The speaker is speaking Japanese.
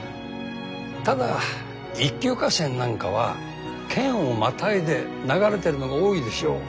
ただ一級河川なんかは県をまたいで流れてるのが多いでしょ。